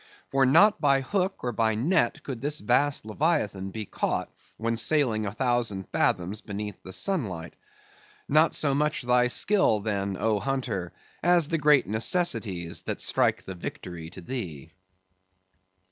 For not by hook or by net could this vast leviathan be caught, when sailing a thousand fathoms beneath the sunlight. Not so much thy skill, then, O hunter, as the great necessities that strike the victory to thee!